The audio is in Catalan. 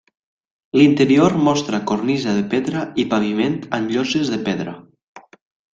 L'interior mostra cornisa de pedra i paviment amb lloses de pedra.